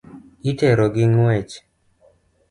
Itero gi ng'wech.